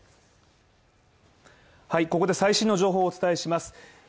ここで最新の情報をお伝えします